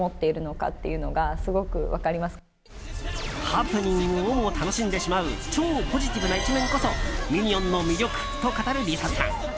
ハプニングをも楽しんでしまう超ポジティブな一面こそミニオンの魅力と語るＬｉＳＡさん。